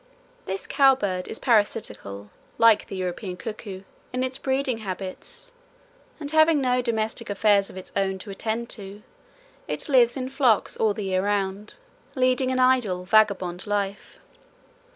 This cow bird is parasitical (like the European cuckoo) in its breeding habits, and having no domestic affairs of its own to attend to it lives in flocks all the year round, leading an idle vagabond life.